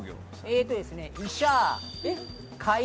えっとですね。